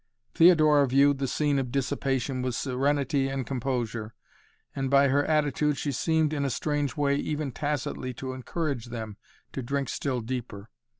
Theodora viewed the scene of dissipation with serenity and composure, and, by her attitude she seemed, in a strange way, even tacitly to encourage them to drink still deeper.